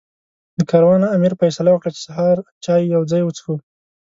د کاروان امیر فیصله وکړه چې سهار چای یو ځای وڅښو.